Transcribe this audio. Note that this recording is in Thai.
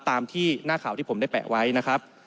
ตามที่หน้าข่าวที่ผมได้แปะไว้นะครับ